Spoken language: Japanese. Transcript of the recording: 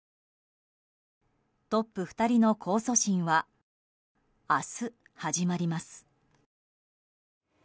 トップ２人の控訴審は明日、始まります。